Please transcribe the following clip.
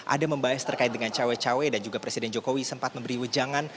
ada membahas terkait dengan cawe cawe dan juga presiden jokowi sempat memberi wejangan